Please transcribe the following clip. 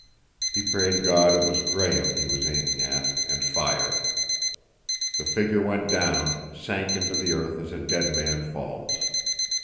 He prayed God it was Graham he was aiming at, and fired. The figure went down, sank into the earth as a dead man falls.